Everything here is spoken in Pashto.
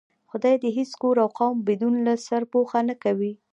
خدا دې هېڅ کور او قوم بدون له سرپوښه نه کوي.